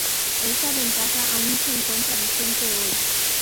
Esta ventaja aún se encuentra vigente hoy.